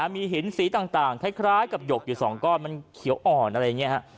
มีหินสีต่างคล้ายกับหยกอยู่๒ก้อนมันเขียวอ่อนอะไรอย่างนี้ฮะ